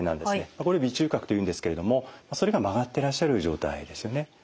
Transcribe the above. これ鼻中隔というんですけれどもそれが曲がってらっしゃる状態ですね。